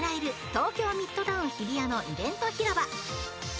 東京ミッドタウン日比谷のイベント広場］